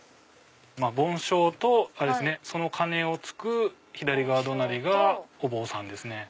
梵鐘とその鐘を突く左隣がお坊さんですね。